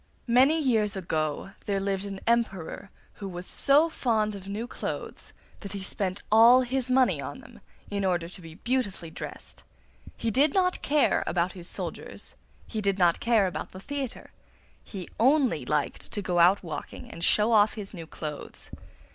Many years ago there lived an Emperor who was so fond of new clothes that he spent all his money on them in order to be beautifully dressed. He did not care about his soldiers, he did not care about the theatre; he only liked to go out walking to show off his new clothes.